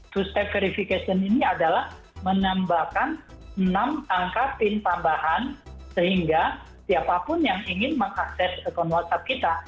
two staff verification ini adalah menambahkan enam angka pin tambahan sehingga siapapun yang ingin mengakses akun whatsapp kita